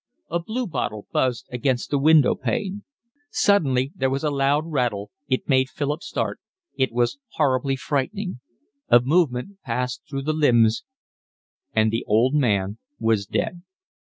A bluebottle buzzed against the windowpane. Suddenly there was a loud rattle, it made Philip start, it was horribly frightening; a movement passed through the limbs and the old man was dead.